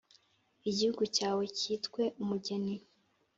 igihugu cyawe cyitwe «umugeni»,